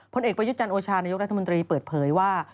ผลเอกประยุจันทร์โอชานายกรัฐมนตรีเปิดเผยว่า